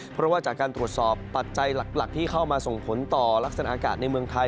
เพราะว่าจากการตรวจสอบปัจจัยหลักที่เข้ามาส่งผลต่อลักษณะอากาศในเมืองไทย